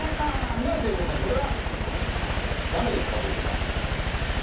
ね、聖子さん、それは、だめですか、僕が。